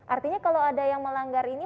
artinya kalau ada yang melanggar ini